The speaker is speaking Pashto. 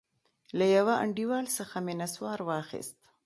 له يوه انډيوال څخه مې نسوار واخيست.